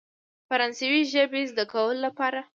فرانسوي ژبې زده کولو لپاره.